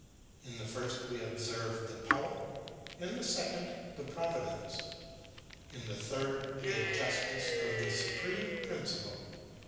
In the first we observe the power; in the second, the providence; in the third, the justice of the Supreme Principle.